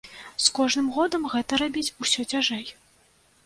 З кожным годам гэта рабіць усё цяжэй.